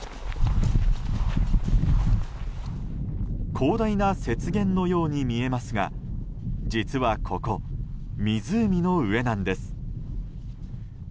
広大な雪原のように見えますが実はここ、湖の上なんです。